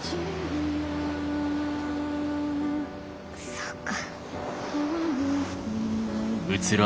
そうか。